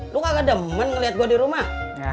lu gak ke demen ngeliat gue dirumah